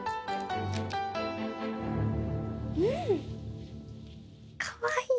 うん！